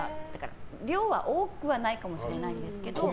量は多くはないかもしれないですけど。